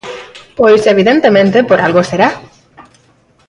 Pois, evidentemente, por algo será.